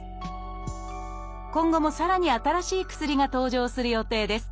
今後もさらに新しい薬が登場する予定です